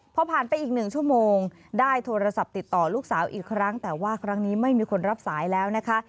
พอผ่านไปอีกหนึ่งชั่วโมงได้โทรศัพท์ติดต่อลูกสาวอีกครั้งแต่ว่าครั้งนี้ไม่มีคนรับสายแล้วนะคะ